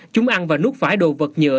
chúng ăn và nuốt phải đồ vật nhựa